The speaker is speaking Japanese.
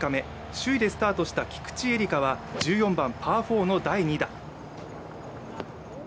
首位でスタートした菊地絵理香は１４番パー４の第２打。